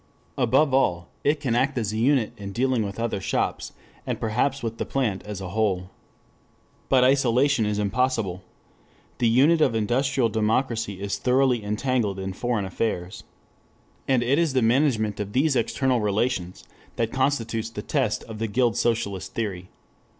Above all it can act as a unit in dealing with other shops, and perhaps with the plant as a whole. But isolation is impossible. The unit of industrial democracy is thoroughly entangled in foreign affairs. And it is the management of these external relations that constitutes the test of the guild socialist theory.